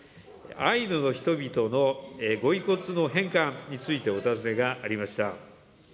アイヌの人々のご遺骨の返還についてお尋ねがありました。